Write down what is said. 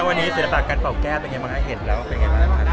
วันนี้ศิลปะการเปล่าแก้วเป็นยังไงบ้าง